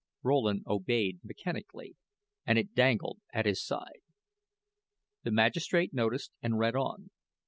Rowland obeyed mechanically, and it dangled at his side. The magistrate noticed, and read on.